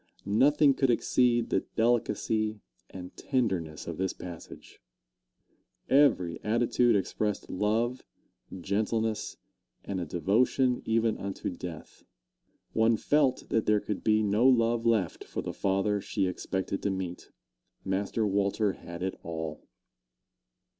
Nothing could exceed the delicacy and tenderness of this passage. Every attitude expressed love, gentleness, and a devotion even unto death. One felt that there could be no love left for the father she expected to meet Master Walter had it all.